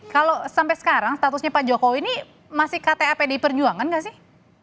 kalau sampai sekarang statusnya pak jokowi ini masih kta pdi perjuangan nggak sih